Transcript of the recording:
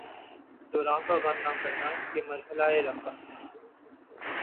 دوراں کا غم نہ کرنا، یہ مرحلہ ء رفعت